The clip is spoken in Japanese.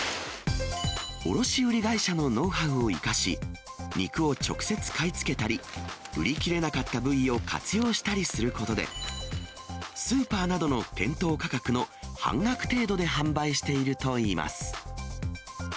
卸売り会社のノウハウを生かし、肉を直接買い付けたり、売り切れなかった部位を活用したりすることで、スーパーなどの店頭価格の半額程度で販売しているといいます。